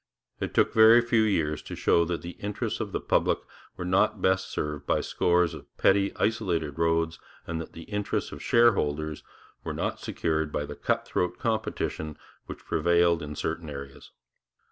It took very few years to show that the interests of the public were not best served by scores of petty isolated roads, and that the interests of shareholders were not secured by the cut throat competition which prevailed in certain areas.